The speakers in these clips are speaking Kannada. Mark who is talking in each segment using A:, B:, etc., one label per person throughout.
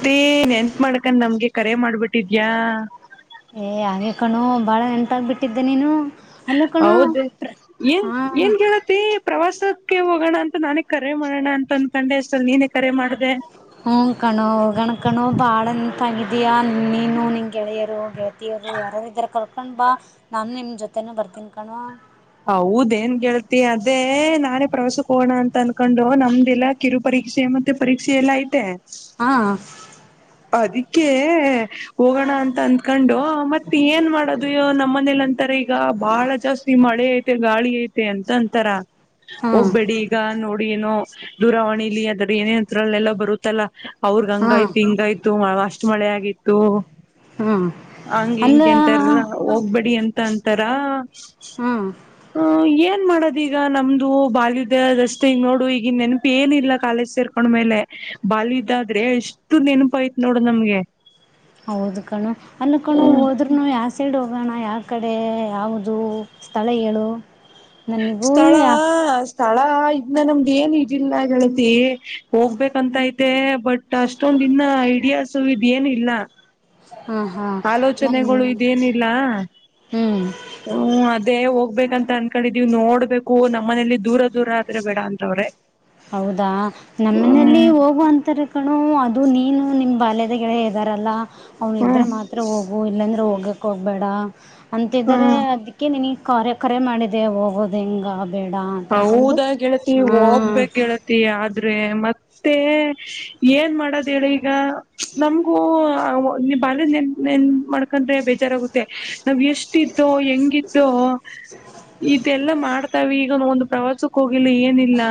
A: ಮತ್ತೇನ್ ನೆನಪ್ ಮಾಡ್ಕೋಡ್ ನಮ್ಗೆ ಕರೆ ಮಾಡ್ಬಿಟ್ಟಿದ್ಯಾ
B: ಏ ಹಾಗೆ ಕಣೋ ಭಾಳ ನೆನಪಾಗಬಿಟ್ಟಿದ್ದೆ ನೀನು ಅಲ್ಲ ಕಣೋ
A: ಹೌದ
B: ಪ್ರ
A: ಏನ್
B: ಹಾಂ
A: ಏನ್ ಕೇಳತಿ ಪ್ರವಾಸಕ್ಕೆ ಹೋಗೋಣ ಅಂತ ನಾನೇ ಕರೆ ಮಾಡೋಣ ಅಂತ ಅಂದಕಂಡೆ ಅಷ್ಟಲ್ ನೀನೇ ಕರೆ ಮಾಡಿದೆ
B: ಹ್ಮ ಕಣೋ ಹೋಗಣ್ ಕಣೋ ಬಾಳ ನೆಪ್ಪಾಗಿಯ ನೀ ನೀನು ನಿನ್ ಗೆಳೆಯರು ಹೋಗ ರು ಯಾರಾರ ಇದಾರೆ ಕರ್ಕೊಂಡ್ ಬಾ ನಾನನ್ ನಿಮ್ ಜೊತೆ ಮತ್ತೆನ ಬರ್ತೀ ಕಣೋ
A: ಹೌದ ಏನ್ ಗೆಳ್ತಿ ಅದೇ ನಾನೇ ಪ್ರವಾಸಕ್ಕೆ ಹೋಗೋಣ ಅಂತ ಅನ್ಕೊಂಡು ನಮ್ದೆಲ್ಲ ಕಿರು ಪರೀಕ್ಷೆ ಮತ್ತೆ ಪರೀಕ್ಷೆ ಎಲ್ಲ ಐತೆ
B: ಹಾ
A: ಅದಕ್ಕೆ ಹೋಗೋಣ ಅಂತ ಅಂದಕೊಂಡು ಮತ್ತೆ ಏನ್ ಮಾಡೋದು ನಮ್ಮ ಮನೇಲಿ ಅಂತಾರ ಈಗ ಬಾಳ ಜಾಸ್ತಿ ಮಳೆ ಐತೆ ಗಾಳಿ ಐತೆ ಅಂತ ಅಂತಾರ
B: ಹಾಂ
A: ಹೋಗಬೇಡಿ ಈಗ ನೋಡ್ ಏನೋ ದೂರವಾಣಿಲಿ ಅದ್ರ ಏನಂ ಎಲ್ಲ ಬರುತ್ತಲ್ಲಾ ಅವ್ರಗ ಹಂಗ
B: ಹಾಂ
A: ತಿ ಹಿಂಗ ತತಿ ಅಷ್ಟು ಮಳೆ ಆಗಿತ್ತು
B: ಹಾಂ
A: ಹಂಗೆ
B: ಅಲ್ಲ
A: ಹಿಂಗೆ ಎಂತಾರ ಹೋಗ್ಬೇಡಿ ಎಂತ ಂತರ
B: ಹಾಂ
A: ಹ ಏನ್ ಮಾಡೋದ್ ಈಗ ನಮ್ದು ಬಾಲ್ಯದ ಅದಷ್ಟೇ ಈ ನೋಡು ಈಗನ್ ನೆನಪು ಏನ ಇಿಲ್ಲ ಕಾಲೇಜ್ ಸೇರ್ಕೊಂಡ್ಮೇಲೆ ಬಾಲ್ಯದ ಆದ್ರೆ ಎಷ್ಟು ನೆನಪ ಐತಿ ನೋಡು ನಮ್ಗೆ
B: ಹೌದು ಕಣೆ ಅಲ್ಲಕಣೋ
A: ಹ್ಮ್
B: ಹೋದ್ರರು ಸೈಡ್ ಹೋಗೋಣ ಯಾವ ಕಡೆ ಯಾವುದು ಸ್ಥಳ ಹೇಳು ನನ್ನಗೂ
A: ಸ್ಥಳ
B: ಆ
A: ಸ್ಥಳ ಇದ್ನ ನಮ್ದ್ ಏನ್ ಇದಿಲ್ಲ ಗೆಳತಿ ಹೋಗ್ಬೇಕಂತ ಐತೆ ಬಟ್ ಅಷ್ಟೊಂದ ಇನ್ನ ಐಡಿಯಸ್ ಇದ್ ಏನ್ ಇಲ್ಲ
B: ಹ್ಮ ಹಾ
A: ಆಲೋಚನೆಗಳು
B: ಹ್ಮ್ ಹ್ಮ್
A: ಹ್ಮ ಅದೇ ಹೋಗ್ಬೇಕಂತ ಅನ್ಕೊಂಡಿದೀವ್ ನೋಡ್ಬೇಕು ನಮ್ಮನೇಲಿ ದೂರ ದೂರ ಆದ್ರೆ ಬೇಡ ಅಂತವ್ರೆ
B: ಹೌದಾ ನಮ್ಮನೆಯಲ್ಲಿ
A: ಹ್ಮ್
B: ಹೋಗುವ ಅಂತಾರೆ ಕಣು ಅ ಇದು ನೀನು ನಿಮ್ಮ ಬಾಲ್ಯದ ಗೇಲ್ಳ ಇದ್ದಾರಲ್ಲಾ ಅವ್ನ ಇದ್ರೆ
A: ಹ್ಮ್
B: ಮಾತ್ರ ಹೋಗು ಇಲ್ಲಾಂದ್ರೆ ಹೋಗ ಹೋಗ್ಬೇಡ ಅಂತಿದಾರೆ
A: ಹ್ಮ್
B: ಅದಕ್ಕೆ ನೀನೀಗ ಕರೆ ಕರೆ ಮಾಡಿದೆ ಹೋಗೋದು ಹಿಂಗಗೆ
A: ಹೌದಾ ಗೆಳತಿ ಹೋಗಬೇಕೆ ಆದ್ರೆ ಮತ್ತೆ ಏನ್ ಮಾಡದ ಹೇಳಿ ಈಗ ನಮಗೂ ಬಾಲ್ಯ ನೆನ್ ನೆನಪ ಮಾಡ್ಕೊಂಡ್ರೆ ಬೇಜಾರಾಗುತ್ತೆ ನಾವ್ ಎಷ್ಟ ಇದ್ದೋ ಹೆಂಗಿದ್ದೋ ಇದೆಲ್ಲ ಮಾಡ್ತಾವ ಇ ಒಂದು ಪ್ರವಾಸಕ್ಕ ಹೋಗಿಲ್ಲ ಏನಿಲ್ಲ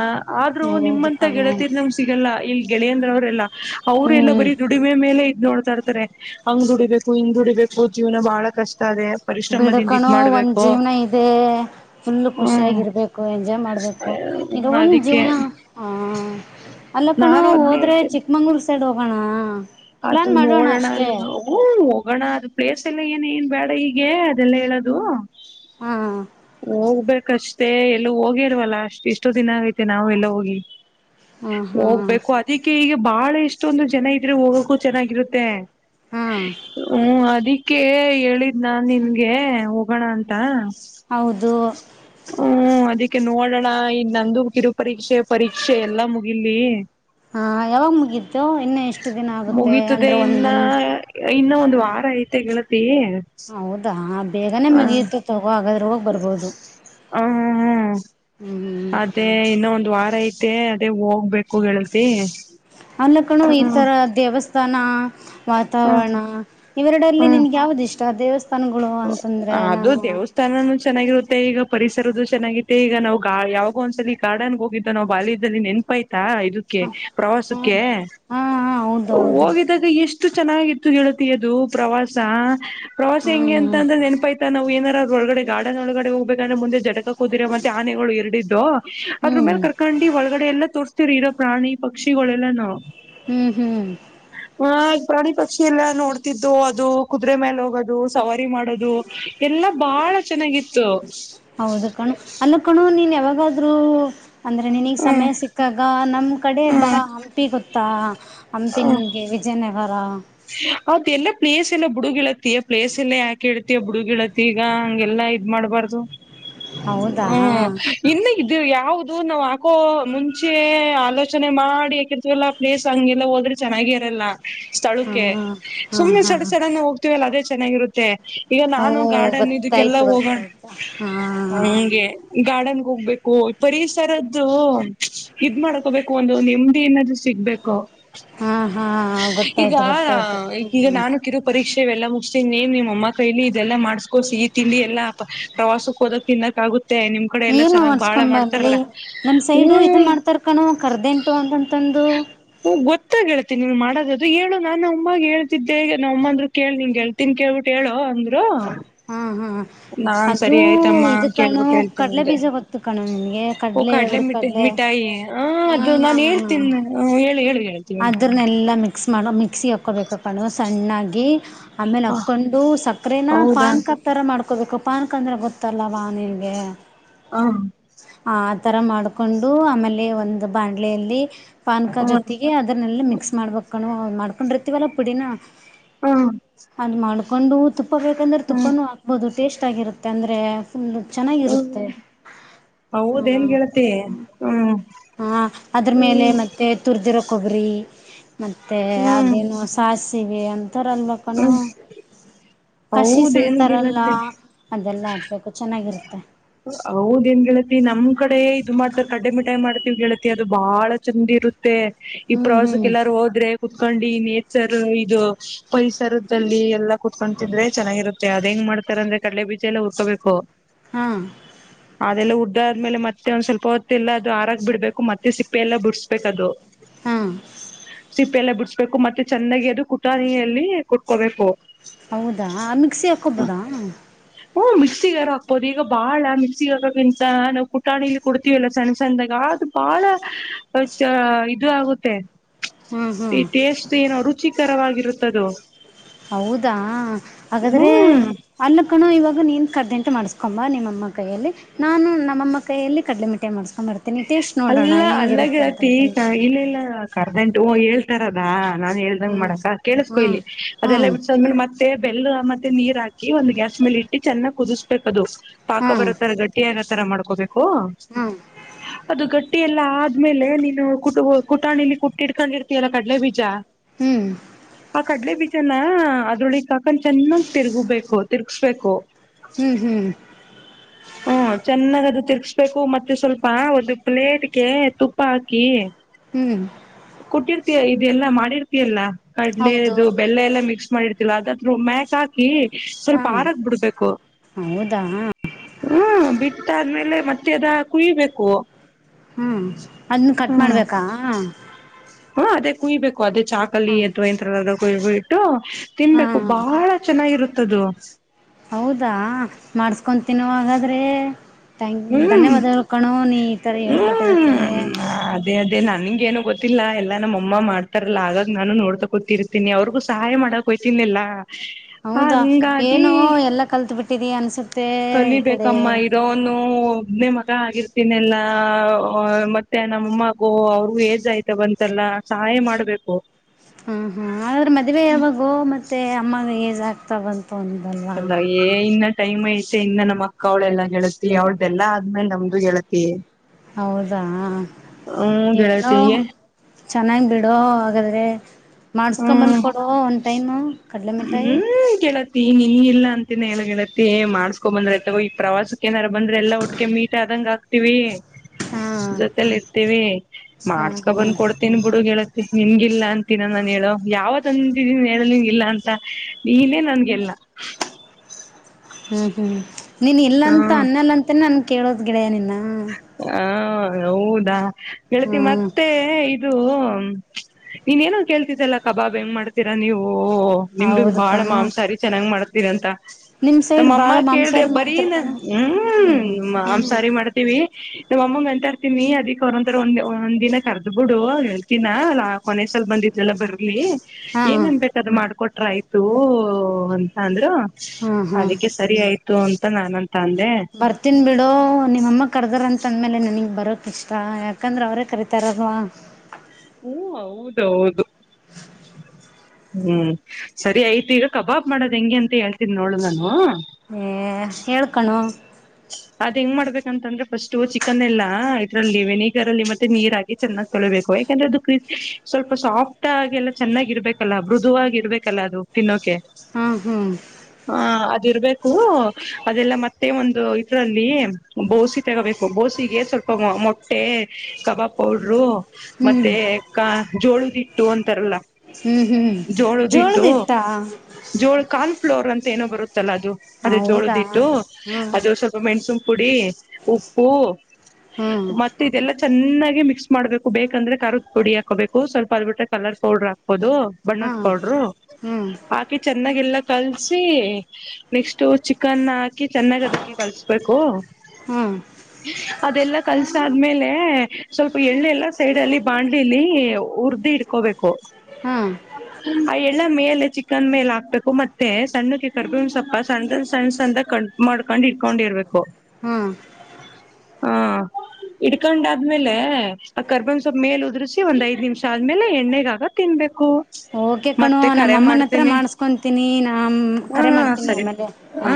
A: ಆದ್ರೂ
B: ಹೌದು
A: ನಿಮ್ಮಂತ
B: ಕಣೋ
A: ಗೆಳತೀರ್ ನಮ ಸಿಗಲ್ಲ ಎಲ್ಲಿ ಗೆಳೆಯಂದ್ರರೆಲ್ಲ ಅವ್ರ ಎಲ್ಲ
B: ಹ್ಞೂ
A: ಬರೀ ದುಡಿಮೆ ಮೇಲೆ ನೋಡ್ತಾಡ್ತಾರೆ ಹಂಗ್ ದುಡಿಬೇಕು ಹಂಗ್ ದುಡಿಬೇಕು ಜೀವನ ಬಹಳ ಕಷ್ಟ ಅದೆ ಪರಿಶ್ರಮದಿಂದ ಇದ್
B: ಬಿಡ್ಕಣೋ ಒಂದ್
A: ಮಾಡ್ಬೇಕು
B: ಜೀವನ ಇದೆ ಫುಲ್
A: ಹ್ಮ್
B: ಖುಷಿಯಾಗಿರ್ಬೇಕು ು ಎಂಜಾಯ್ ಮಾಡಬೇಕು ಇದು ಒಂದು ಜೀವನ
A: ಅದಕ್ಕೆ
B: ಅಲ್ಲಕ್ಕಣು
A: ನಾನು ಅದ್ನೇ
B: ಹೋದ್ರೆ
A: ಹೇಳ್ತೇನೆ
B: ಚಿಕ್ಕಮಂಗಳೂರು ಸೈಡ್ ಹೋಗೋಗಣ
A: ಅದು ನೋಡೋಣ ಹ ಹೋಗೋಣ ಅದು ಪ್ಲೇಸ್ ಮೆಲ್ಲ ಏನ್ ಏನ್ ಬೇಡ ಈೀಗೆ ಅದೆಲ್ಲ ಹೇಳೋದು
B: ಹಾ
A: ಹೋಗ್ಬೇಕಷ್ಟೇ ಎಲ್ಲೂ ಹೋಗಿರ್ವಲ್ಲ ಅಷ್ಟ ಇಷ್ಟೋ ದಿನ ಆಗೈತೆ ನಾವವು ಎಲ್ಲ ಹೋಗಿ
B: ಹಾ ಹಾ
A: ಹೋಗ್ಬೇಕು ಅದಕ್ಕೆ ಈಗ ಬಾಳ ಎಷ್ಟೊಂದು ಜನ ಇದ್ರೆ ಹೋಗಕ್ಕು ಚೆನ್ನಾಗಿರುತ್ತೆ
B: ಹಾ
A: ಹ್ಮ್ ಅದಿ ಅಕೇ ಹೇಳಿದ್ ನಾನ್ ನಿನ್ಗೆ ಹೋಗೋಣ ಅಂತ
B: ಹೌದು
A: ಹ್ಮ್ ಅದಕ್ಕೆ ನೋಡೋಣ ಇ ನಂದು ಕಿರು ಪರೀಕ್ಷೆ ಪರೀಕ್ಷೆ ಎಲ್ಲಾ ಮುಗಿಲಿ
B: ಹಾ ಯಾವಾಗ ಮುಗೀತು ಇನ್ನು ಎಷ್ಟು ದಿನ ಆಗುತ್ತೆ
A: ಮುಗೀಿತದೆ
B: ಅಂದ್ರೆ ಒಂದು
A: ಇನ್ನ
B: ಮಂತ್
A: ಇನ್ನ ಒಂದು ವಾರ ಐತೆ ಪೇ
B: ಹೌದಾ ಅ ಬೇಗನೆ ಮಗಿಯುತ್ತೆ ತಗೋದ್ರ ಬಬದು
A: ಹ ಹ್ಮ್ ಅದೇ ಇನ್ನೊ ಒಂದ್ ವಾರ ಐ ಮತ್ತೆ ಅದೇ ಹೋಗ್ಬೇಕು ಳ್ತಿ
B: ಅಲ್ಲ ಕಣು ಈತರ ದೇವಸ್ಥಾನ ಹ
A: ಹ್ಮ್
B: ವಾತಾವರಣ ಇವೆರಡರಲ್ಲಿ
A: ಹ್ಮ್
B: ನಿನ್ಗೆ ಯಾವ್ದು ಇಷ್ಟ ಅ ದೇವ
A: ಅದು ದೇವಸ್ಥಾನನು ಚೆನ್ನಾಗಿರುತ್ತೆ ಈಗ ಪರಿಸರದದು ಚೆನ್ನಾಗಿತ್ತು ಈಗ ನಾವು ಗ ಯಾವಾಗೋ ಒಂದ್ಸಲಿ ಗಾರ್ಡನ್ಗೆ ಹೋಗಿದ್ದು ನಾವು ಬಾಲ್ಯದಲ್ಲಿ ನೆನಪಾಯ ಆ ಇದುಕ್ಕೆ ಪ್ರವಾಸಕ್ಕೆ
B: ಹ್ಮ್ ಹಾ ಹಾ ಹೌದೌದು
A: ಹೋಗಿದಾಗ ಎಷ್ಟ್ ಎಷ್ಟು ಚೆನ್ನಾಗಿತ್ತು ಗೆಳತಿ ಅದು ಪ್ರವಾಸ ಪ್ರವಾಸ ಹೆಂಗೆಂ
B: ಹ್ಮ್
A: [unintelligible] ನೆನಪಯ್ತ ನಾವ್ ಏ ಒಳಗಡೆ ಗಾರ್ಡನ್ ಒಳಗಡೆೋಗ್ಬೇಕಂದ್ರೆ ಮುಂದೆ ಜಟಕ ಕುದಿರ ಮತ್ತೆ ಆನೆಗಳು ಎರಡಿದ್ದ ಅದ್ರ
B: ಹ್ಮ್
A: ಮೇಲೆ ಕರ್ಕಂಡಿ ಒಳಗಡೆ ಎಲ್ಲ ತೋರ್ಸ ಇರೋ ಪ್ರಾಣಿ ಪಕ್ಷಿಗಳೆಲ್ಲ ನು
B: ಹ್ಮ್ ಹ್ಮ್
A: ಹಾ ಪ್ರಾಣಿ ಪ ಷಿ ಎಲ್ಲ ನೋಡ್ತಿದ್ದು ಅದು ಕುದುರೆ ಮೇಲೆ ಹೋಗೋದು ಸವ ಮಾಡೋದು ಎಲ್ಲಾ ಬಾಳ ಚೆನ್ನಾಗಿತ್ತು
B: ಹೌದು ಕಣು ಅಲ್ಲ ಕಣೊ ನೀನ್ ಯಾವಾಗ್ [unintelligible] ದ್ರೂ ಅಂದ್ರೆ ನಿನಗ್
A: ಹ್ಮ್
B: ಸಮಯ ಸಿಕ್ಕಾಗ ನಮ್ ಕಡೆ ಬಾ
A: ಹ್ಮ್
B: ಹಂಪಿ ಗೊತ್ ತ್ತಾ
A: ಹ್ಮ್
B: ಹಂಪಿನ್ಗೆ ವಿಜಯನಗರ
A: ಹೌದ ಎಲ್ಲಾ ಪ್ಲೇಸ್ ಎಲ್ಲ ಬುಡುಗಿಳತಿಯ ಪ್ಲೇಸ್ ಎಲ್ಲ ಯಾಕೆ ಹೇಳ್ತಯ ಬುಡುಗಿಳತಿ ಈಗ ಹಂಗೆಲ್ಲಾ ಇದ್ ಮಾಡ್ಬಾರ್ದು
B: ಹೌದಾ
A: ಹಾ ಇನ್ನು ಇದು ಯಾವವುದು ನಾವ್ ಹಾಕೋ ಮುಂಚೆ ಆಲೋಚನೆ ಮಾಡಿ ಯಾಕಿರ್ತವಲ್ಲ ಪ್ಲೇಸ್ ಹಂಗೆಲ್ಲ ಹೋದ್ರೆ ಚೆನ್ನಾಗಿ ಇರಲ್ಲ
B: ಹಾ
A: ಸ್ಥಳಕ್ಕೆೆ
B: ಹಾ
A: ಸುಮ್ಮ್ನೆ
B: ಹಾ
A: ಸಡಸಡನ್ ಹೋಗತೀವ್ ಅಲ್ಲ ಅದೇ ಚೆನ್ನಾಗಿರುತ್ತೆ ಈಗ
B: ಓ
A: ನಾನು ಗಾರ್ಡನ್ ಇದಕ್ಕೆಲ್ಲ
B: ಗೊತ್ತಾಯ್ತು
A: ಹೋಗೋಣ
B: ಗೊತ್ತಾಯ್ತು ಹಾ
A: ಹಂಗೆ ಈಗ್ ಗಾರ್ಡಗ್ ಹೋಗ್ಬೇಕು ಪರಿಸರದ್ದು ಇದ್ ಮಾಡ್ಕೊಬೇಕು ಒಂದು ನೆಮ್ಮದಿ ಏನಾದ ಸಿಗ್ಬೇಕು
B: ಹಾ ಹಾ ಗೊತ್
A: ಈಗ ಈ ಈಗ ನಾನು ಕಿರು ಪರೀಕ್ಷ್ ವಿಷಯವೆಲ್ಲ ಮುಗ್ಸಿ ನೀನ್ ನಿಮ್ಮ ಅಮ್ಮ ಕೈಲಿ ಇದೆಲ್ಲಾ ಮಾಡ್ಸ್ಕೋತಿ ತಿಂಡಿ ಎಲ್ಲಾ ಪ್ರವಾಸಕ್ ಹೋದಕ್ ತಿನ್ನಕ್ ಆಗುತ್
B: ಏನು ಮಾಡಡ್ಸ್ಕೊಂಬಾರಲಿ ನಮ ಸೈಡು ಇದ
A: ಹ್ಮ್
B: ಮಾಡ್ತಾರ್ ಕಣೊ ಕರ್ದೆಂಟು ಅಂತಂತಂದು
A: ತ್ತ ಗೆಲ್ತಿ ನೀ ಮಾಡೋದ್ [unintelligible] ಹೇಳು ನಾನು ಒಂಬಾಗ ಹೇಳ್ತಿದ್ದೆ ಈಗ ನ ಅಮ್ಮಂದ್ರರು ಕೇಳಿ ನಿಂಗಗೆೇಳ್ತೀಿ ಕೇಳ್ಬಿಟ್ಟ ಹೇಳು ಅಂದ್ರು
B: ಹಾ ಹಾ
A: ನಾನ್
B: ಅದುೂ
A: ಸರಿ ಆಯ್ತಮ್ಮ
B: ಇದು ಕಣೊ
A: ಕೇಳ್ಬಿಟ್ಟು ಹೇಳ್ತೀನಿ
B: ಕಡಲೆ
A: ಅಂದೆ
B: ಬೀಜ ಗೊತ್ತು ಕಣೊ ನಿಮಗೆ ಕಡಲೆ ಹುಡ್ ಕಡ್ಲೆ
A: ಹಾ ಅದು ನಾನ್ ಹೇಳ್ತೀನಿ ಹೇಳು ಹೇಳು ಹೇಳ್ತಿ ಹೇಳು
B: ಅದ್ರನೆ ಎಲ್ಲ ಮಿಕ್ಸ್ ಮಾಡ ಮ ಮಿಕ್ಸ ಹಾಕೊೋಬೇಕು ಕಣು ಸಣ್ಣಾಗಿ [inaudible] [inaudible] [inaudible] ಆಮೇಲೆ
A: ಹ
B: ಹಕ್ಕೊಂಡು ಸಕರೆನ
A: ಹೌದಾ
B: ಪಾನ್ ಕಾತರ ಮಾಡ್ಕೊ ಹಕೋಬೇಕಪ್ಪ ಅನ್ಕಂದ್ರೆ ಗೊತ್ತಲ್ಲವಾ ನಿನ್ಗೆ
A: ಹ
B: ಥರ ಮಾಡಿಕೊಂಡು ಆಮೇಲೆ ಒಂದು ಬಾಣ್ಲೆಯಲ್ಲಿ ಪನ್ ಕ ಜೊ
A: ಹ
B: ಅದ್ರನ್ನೆಲ್ಲಿ ಮಿಕ್ಸ್ ಮಾಡ್ಬೇಕು ಕೊಂಡ ಮಾಡ್ಕೊಂಡಿರ್ತಿೀವಲ್ಲ ಪುಡಿನ
A: ಹ
B: ಅ್ಣ ಮಾಡಳ ಕೊಂಡು ತುಪ್ಪ ಬೇಕಂದ್ರೆ
A: ಹ
B: ತುಪ್ಪನೂ ಹಾಕ್ಬಹದು ಟೇಸ್ ಆಾಗಿಿರುತ್ತೆ ಅಂದರೆ ತುಂಬ ಚೆನ್ನಾಗಿರುತ್ತೆ
A: ಹ್ಮ್ ಹೌದೇನ್
B: ಹ
A: ಗೆಳತಿ ಹ್ಮ್
B: ಹ ಅದ್ರ ಮೇಲೆ
A: ಹ್ಮ್
B: ಮತ್ತೆ ಅಜರ ಕೊಬ್ಬರಿ [inaudible] ಮತ್ತ ಅದೇನು ಸ ಸಿಿವನ್
A: ಹ್ಮ
B: ಕಶಿಸ್
A: ಹೌದೇನ್
B: ಅಂತಾರಲ್ಲ
A: ಗೆೇಳತ್ತ
B: ಅದೆಲ್ಲ ಹಾಕ್ಬೇಕು ಚೆನ್ನಾಗಿರುತ್ತೆ
A: ಹೌದ ನ್ ಗೆೇಳತಿ ನಮ್ ಕಡೆ ಇ ಮಾಡ್ತಾರೆ ಕಡ್ಡೆಮಿಠಾಯ ಮಾಡ್ತ ಕತಿ ಅದು ಬಹಳ ಚಂದ್ ಇರುತ್ತೆ ಮತ್ತೆ ಈ
B: ಹ್ಮ್
A: ಪ್ರವಾಸಕ್ಕೆ
B: ಹ್ಮ್
A: ಎಲ್ಲಾರು ಹೋದ್ರೆ ಕಕೊಂಡಿ ನೇಚರ್ ಇದು ಪೈಸರದ್ದಲ್ಲಿ ಎಲ್ಲಾ ಕುೂತ್ಕೊಂಡು ತಿಂದ್ರೆ ಚನ್ನಾಗಿರುತ್ತೆ ಅದ್ ಹೆಂಗ್ ಮಾಡ್ತಾರ ಅಂದ್ರೆ ಕಡಲೆ ಬೀಜ ಎಲ್ಲ ಹುರ್ಕೋಬೇಕು
B: ಹಾ
A: ಅದೆಲ್ಲ ಉದ್ದಾದ್ಮೇಲೆ ಮತ್ತೆ ಒಂದ್ವಪ ಹೊತ್ತ ಎಲ್ಲ ಅದು ಆರಾಗ ಬಿಡ್ಬೇಕು ಮತ್ತೆ ಸಿಪ್ಪೆ ಎಲ್ಲ ಬಿಡಸ್ಬೇಕು ಅದು
B: ಹಾ
A: ಸಿಪ್ಪಿ ಎಲ್ಲ ಬಿಡಸ್ಬೇಕು ಮತ್ತೆನ್ನಾಗಿ ಅದು ಕುತ ಕುಟ್ಕೋಬೇಕು
B: ಹೌದಾ ಮಿಕ್ಸಿ ಹಾಕೊಡ್ಬೋದಾ
A: ಹ್ಮ ಮಿಕ್ಸಿಗಾರ ಹಾಕ್ಬೋದು ಈಗ ಬಾಳ ಮಿಕ್ಸಿಗೆ ಹಾಕಕ್ಕಂತ ನಾವು ಕುಟಾಣಿಲಿ ಕುಡ್ತಿೀವಲ್ಲ ಸಣ್ಣ ಸಣ್ಣದಾಗ ಅದು ಬಾಳ ಇದು ಆಗುತ್ತೆ
B: ಹ್ಮ್
A: ಈ
B: ಹ್ಮ್
A: ಟೇಸ್ಟ್ ಏನೋ ರುಚಿ ರವಾಗಿರುತ್ತ ಹತ್ತದ
B: ಹೌದಾ ಹಾಗಾದ್ರೆ ಅಲ್ಲ ಕಣು ಇವಾಗ ನಿಂದ ಕರ್ದಂಟ ಮಾಡಸ್ಕೊಂಬ ನಿಮ್ಮೈಯಲ್ಲಿ ನಾನು ನಮ್ಮ ಕೈಯಲ್ಲಿ ಕಡಲೆಮಿಟ್ಟೆ ಮಾಡಿಸ್ಕೊಂಬ ಬರ್ತೀ
A: ಅಲ್ಲ ಅಲ್ಲಗಿರತಿ ಇಲ್ಲ ಇಲ್ಲ ಕರ್ದಂಟು ಹೇಳ್ ತರದಾ ನಾನ್ ಹೇಳ್ದಂಗ್
B: ಹ್ಮ್
A: ಮಾಡಕ ಕೇಳಿಸಕೊ
B: ಹ್ಮ್
A: ಇಲಿ ಅದೆಲ್ಲಾ
B: ಹ್ಮ್
A: ಬಿಟ್ಟಸ್ಮೇಲೆ ಮತ್ತ ಮತ್ತೆ ಬೆಲ್ಲ ಮತ್ತೆ ನೀರ್ ಹಾಕಿ ಒಂದ್ ಗ್ಯಾಸ್ ಮೇಲೆ ಇಟ್ಟಿ ಚೆನ್ನಾಗ್ ಕುದಿಸ್ಬೇಕದು ಪಾಕ
B: ಹ್ಮ್
A: ಬರುತ್ತರ ಗಡ್ಟ್ಟಿಯ ಆಗತ್ತೆ ಈ ತರ ಮಾಡ್ಕೋದು
B: ಹ್ಮ್
A: ಹ ಅದು ಗಟ್ಟಿಯ ಎಲ್ಲ ಆದ್ಮೇಲೆ ನೀನು ಕುಟ ಕುಟಾಣಿಲಿ ಕುಟ್ಟಿ ಇಡ್ಕೊಂಡಿರ್ತೀಯಲ್ಲ ಕಡಲೆ ಬೀಜ
B: ಹ್ಮ್
A: ಪ ಕಡಲೆ ಬಿ ಚನ ಅದ್ರೊಳಿಗ್ ಕಾಕೊಂಡ ಚೆನ್ನಾಗ್ ತಿರುಗಬೇಕು ತಿರ್ಗ್ಸ್ಬೇಕು
B: ಹ್ಮ್ ಹ್ಮ್
A: ಹ್ಮ ಚೆನ್ನಾಗದು ತಿರ್ಸ್ಬೇಕು ಮತ್ತೆ ಸ್ವಲ್ಪ ಒಂದು ಪ್ಲೇಟ್ಗೆ ತುಪ್ಪ ಹಾಕಿ
B: ಹ್ಮ್
A: ಇದೆಲ್ಲ ಮಾಡಿ ಲ್ಲ ಕಡಲೆ
B: ಹೌದು
A: ಅದು ಬೆಲ್ಲೆ ಎಲ್ಲಾ ಮಿಕ್ಸ್ ಮಾಡಿರ್ತಿಲ್ಲಾ ಅದ್ರೂ ಮ್ಯಾಕ್ ಹಾಕಿ
B: ಹಾ
A: ಸ್ವಲ್ಪ ಆರಾಗ ಬಿಡ್ಬೇಕು
B: ಹೌದಾ
A: ಹ್ಮ್ ಬಿಟ್ಟಾದ್ಮೇಲೆ ಮತ್ತೆ ಅದಾ ಕುಯಿಬೇಕು
B: ಹ್ಮ್ ಅದನ್ನ ಕಟ್ ಮಾಡ್ಬೇಕಾ
A: ಹ್ಮ ಅದೇ ಕು್ಬೇಕು ಅದೇ ಚಾಕಲಿ
B: ಹ್ಮ
A: ಅಥವಾ ಇಥರ ಗಬ ಇಟು
B: ಹಾ
A: ತಿನ್ಬೇಕು ಬಹಳ ಚೆನ್ನಾಗಿರುತ್ತದು
B: ಹೌದು ಮಾಡ್ಸ್ಕೊ ತಿನ್ನುವಾದರೆ ್ಯಾಂಕ್
A: ಹ್ಮ್
B: ಧನ್ಯವಾದಗಳು ಕಣು ನೀ ಈ ತರ ಹೇಳ್ಕೊಟ್ಟಿದಕ್ಕೆ
A: ಅೇ ನನ್ಗೆ ಏನೋ ಗೊತ್ತಿಲ್ಲ ಎಲ್ಲ ನಮ್ಮ ಅಮ್ಮ ಮಾಡ್ತಾರಲ್ಲ ಆ್ ನಾನು ನೋಡ್ತಾ ಕೊತಿರ್ತೀನಿ ಅವ್ರಿಗೂ ಸಹಾಯ ಮಾಡಕಕ್ ಹಯ್ತೀನಿಿಲ್ಲಾ
B: ಹೌದಾ ಏನು ಎಲ್ಲ ಕಲ್ತ್ ಬಿಿಟ್ಟು ತಿ ಅನುಿಸುತ್ತ
A: ಕಲಿಬೇಕಮ್ಮ ಇದೋನು ಮದ್ನನೆ ಮಗ ಆಗಿರ್ತೀನೆಲ್ಲಾ ಮತ್ತೆ ನಮ್ಮಮ್ಮಗೂ ಅವ್ರಿಗೂ ಏಜ್ ಆಯ್ತ ಬಂತೆಲ್ಲ ಸಹಾಯ ಮಾಡ್ಬೇಕು
B: ಹ್ಮ ಹ್ಮ ಹಾಗ್ರೆ ಮದುವೆ ಯಾವಾಗೋ ಮತ್ತೆ ಅಮ್ಮ ಆಗ್ತಾ ಬಂತ
A: ಅಲ್ಲ ಏ ಇನ್ನಷ್ಟ ಟೈಮ್ ಐತೆ ಇಿಂದ ನಮ್ಮ ಅಕ್ಕ ಅವಳೆಲ್ಲಾ ಗೆಳ್ತತಿ ಅವಳ್ದಲ್ಲ ಆದ್ಮೇಲೆ ನಮ್ದು ಗೆಳತಿ
B: ಹೌದಾ
A: ಹ್ಮ
B: ಏನೋ
A: ಗೆಳತಿಗೆ
B: ಚೆನ್ನಾಗ್ ಬಿಡೋ ಹಾಗಾದ್ರೆ ಮಾಡಸ್ಕೊ ಬಂದ್
A: ಹ್ಮ್
B: ಕೊಡು ಒಂದ್ ಟೈಮ ಕಡ್ಲೆ ಮಿಠಾಯಿ
A: ಹ್ಮ್ ಗೆಳತಿ ನಿನ್ಗ ಇಲ್ಲ ಅಂತಿನ ಹೇಳ ಹೇಳತಿ ಮಾಡ್ಸ್ಕೊ ಬಂದ್ರತಗೋ ಈ ಪ್ರವಾಸಕ್ಕೆ ಏನಾರ ಬಂದ್ರೆ ಎಲ್ಲಾ ಒಟ್ಿಗೆ ಮೀಟ್ ಆದಂಗ ಆಾಕ್ತಿೀವಿ
B: ಹಾ
A: ಜೊತೆಲಿ ಇರ್ತೀವಿ
B: ಹಾ
A: ಮಾಡಸ್ಕ ಬಂದ
B: ಹ್ಮ್
A: ಕೊಡ್ತೀನಿ ಬಿುಡುಗ್ ಹೇಳತಿ ನಿನ್ಗಿಲ್ಲ ಅಂತಿನ ನ ಹೇಳೋ ಯಾವ ತಂದನ್ ಹೇಳ ನಿನ್ ಇಲ್ಲ ಅಂತ ನೀನೇ ನನ್ಗೆಲ್ಲ
B: ಹ್ಮ್ ಹ್ಮ್ ನೀನ್ ಇಲ್ಲಂತ
A: ಹ್ಮ
B: ಅನ್ನಲ್ಲಂತ ನನ್ ಕೇಳೋದ್ ಗಿಳೆಯ ನಿನ್ನ
A: ಹ ಹ ಹೌದಾ ಹಳತಿ
B: ಹ್ಮ್
A: ಮತ್ತೆ ಇದು ಹ್ಮ ನೀನ್ ಏನೋ ಕೇಳ್ತಿದ್ದಲ್ಲಾ ಕಬಾಬ್ ಹೆಂಗ್ ಮಾಡ್ತೀರಾ ನೀವು ಓಹ ನಿಮ್ದಗ್
B: ಹೌದು
A: ಬಾಳ
B: ಕಣೋ
A: ಮಾಂಸಹಾರಿ ಚೆನ್ನಾಗ್ ಮಾಡ ೀರಂತ
B: ನಿಮ್ ಸೈಡ್
A: ನಮ್ಮಅಮ್ಮ
B: ಬಾಳ
A: ಕೇಳ್ದ
B: ಮಾಂಸಾಹಾರಿ ಮಾಡ್ತಾರ
A: ಬರೀನ್
B: ಕಣೋ
A: ಹ್ಮ್ ಆಮ ಸಾರಿ ಮಾಡ ನಮ್ಮ್ ಅಮ್ಮಂಗ ಅಂತ ಇರ್ತೀನಿ ಅದಿ ಅವರೊಂತರ ಒಂದ್ ಒಂದ್ ದಿನ ಕರ್ದ್ ಬಿಡು ಹೇಳ್ತಿನ ಅಾ ಕೊನೆಸಲ ಬಂದಿದ್ಲೆಲ್ಲಾ ಬರ್ಲಿ
B: ಹಾ ಹಾ
A: ಏನ್ನ್ಬೇಕೇಕದು್ ಮಾಡ್ಕೊಟ್ಟ ಆಯ್ತು ಅಂತ ಅಂದ್ರರು ಅದಕ್ಕೆ ಸರಿ ಆಯ್ತು ಅಂತ ನಾನ
B: ಬರ್ತನ್ ಬಿಡು ನಿಮ್ಮ ಕರ್ದರಂತೆ ತಂದಮೇಲೆ ನನಗೆ ಬರೋಕ ಇಷ್ಟ ಯಾಕಂದ್ರೆ ಅವರೇ ಕರತಾರಲ್ವಾ
A: ಹ್ಮ ಹೌದೌದು ಹ್ಮ್ ಸರಿ ಆಯ್ತು ಈಗ ಕಬಾಬ್ ಮಾಡೋದ್ ಹೆಂಗಗೆ ಅಂತ ಹೇಳ್ತಿದಿ ನೋಳ ನಾನು
B: ಏ ಹೇಳ್ಕಣು
A: ಅದ ಹೆಂಗ್ ಮಾಡ್ಬೇಕಂತಂದ್ರೆ ಫಸ್ಟ್ ಚಿಕನ್ ಎಲ್ಲಾ ಇದ್ರಲ್ಲಿ ವೆಣಿಗಾರಲ್ಲಿ ಮತ್ತೆ ನೀರಗಿ ಚೆನ್ನಾಗಿ ತೊಳಿಬೇಕು ಯಾಕೆಂದ್ರೆ ಅದು ಕ್ರಿಸ್ ಸ್ವಲ್ಪ ಸಾಫ್ಟ್ ಆಗಿ ಎಲ್ಲ ಚೆನ್ನಾಗಿರ್ಬೇಕಲ್ಲ ಮೃದುವ ಆಾಗಿ ಇರ್ಬೇಕಲ್ಲ ಅದು ತಿನ್ನೋಕೆ
B: ಹ್ಮ ಹಾ
A: ಇರ್ಬೇಕೂ ಅದೆಲ್ಲ ಮತ್ತೆ ಒಂದ್ ರೋಹಿತ್ ಅದ್ರಲ್ಲಿ ಬೋಸಿ ತಗೋಬೇಕು ಬೋಸಿಗೆ ಸ್ವಲ್ಪ ಮೊಟ್ಟೆ ಕಬಾಬ್ ಪೌಡ್ರು
B: ಹ್ಮ್
A: ಮತ್ತೆ ಕ ಜೋಳುದಿಟ್ಟು ಅಂತಾರಲ್ಲ
B: ಹ್ಮ್ ಹ್ಮ್
A: ಜೋಳುದಿಟ್ಟು
B: ಜೋಳದಿಟ್ಟ
A: ಜೋಳು ಕಾನ್ಫ್ಲೋರ್ ಅಂತ ಏನೋ ಬರು [unintelligible] ಅದು ಅದೆ
B: ಹೌದಾ
A: ಜೋಳದಟ್ಟು
B: ಹ್ಮ್
A: ಅದು ಸ್ವಲ್ಪ ಮೆಣ್ಸುನ್ ಪುಡಿ-ಹ್ ಉಪ್ಪು
B: ಹ್ಮ್
A: ಮತ್ತೆ ಇದೆಲ್ಲ ಚೆನ್ನಾಗಿ ಮಿಕ್ಸ್ ಮಾಡ್ಬೇಕು ಬೇಕಂದ್ರೆ ಖಾರದ ಪುಡಿ ಹಾಕೋಬೇಕು ಸ್ವಲ್ಪ ಅದ್ ಬಿಟ್ರೆ ಕಲರ್ ಪೌಡ್ರು ಹಾ ಕಬೇಕು ಅದು ಬಣ್ಣದ
B: ಹ್ಮ್
A: ಪೌಡ್ರು
B: ಹ್ಮ್
A: ಹಾಕಿ ಚೆನ್ನಾಗಿಲ್ಲ ಕಲ್ಸಿ ನೆಕ್ಸ್ಟ್ ಚಿಕನ್ ಹಾಕಿ ಚೆನ್ನಾಗಿ ಅದ ಕಲ್ಸ್ ಕ್ಕೂ
B: ಹ್ಮ್
A: ಅದೆಲ್ಲ ಕಲಿಸಿ ಆದ್ಮೇಲೆ ಸ್ವಲ್ಪ ಎಳ್ಳೆಲ್ಲಾ ಸೈಡ್ ಅಲ್ಲಿ ಬಾಣ್ಲಿಲಿ ಉರ್ದು ಇಡ್ಕೋಬೇಕು
B: ಹ್ಮ್
A: ಆ ಎಳ್ಳುನಾ ಮೇಲೆ ಚಿ ಚಿಕನ್ ಮೇಲೆ ಹಾಕ್ಬೇಕು ಮತ್ತೆ ಸಣ್ಣ ಕರಿಬೇವುನ ಸೊಪ್ಪ ಸಣ್ಣಂದ ಸಣ್ಣ ಸಣ್ಣ ಕಟ್ಮಾಡ್ಕೋಂಡು ಇಟ್ಕೊಂಡು
B: ಹ್ಮ್
A: ಹ ಇಡ್ಕೊಂಡಾದ್ಮಲೆ ಆ ಕರಿಬೇವಿನ ಸೊಪ್ ಮೇಲೆ ಉದುರ್ಸಿ ಒಂದ್ ಐದ್ ನಿಮಿಷ ಆದ್ಮೇಲೆ ಎಣ್ಣೆಗಾಗ ತಿನ್ಬೇಕು
B: ಓಕೆ ಕಣೋ
A: ಮತ್ತೆ ಕರೆ
B: ನಮ್ಮ ಅಮ್ಮನ ಹತ್ರ
A: ಮಾಡ್ತೀನಿ
B: ಮಾಡಸ್ಕೊತೀನಿ ನಾ
A: ಹಾ
B: ಕರೆ ಮಾಡ್ತೀನಿ
A: ಸರಿ
B: ಆಮೇಲೆ ಹಾ